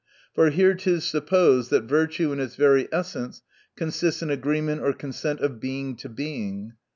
— For here it is supposed, that virtue in its very essence consists in agreement or consent of Being to Being.